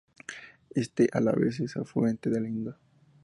Este, a la vez, es afluente del Indo.